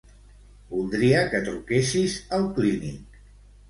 Voldria que truquessis al Clínic.